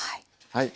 はい。